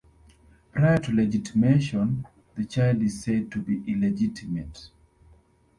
Prior to legitimation, the child is said to be illegitimate.